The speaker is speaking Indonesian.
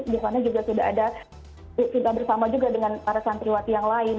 di sana juga sudah ada fifa bersama juga dengan para santriwati yang lain